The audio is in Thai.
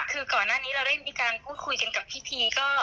คือก่อนหน้านี้เราได้มีการพูดคุยกันกับพี่พีก็